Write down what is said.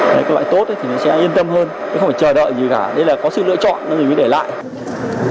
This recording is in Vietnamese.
cái loại tốt thì sẽ yên tâm hơn không phải chờ đợi gì cả đây là có sự lựa chọn nên mình để lại